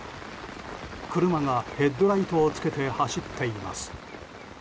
車がヘッドライトをつけて走っています。